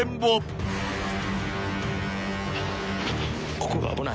ここが危ない。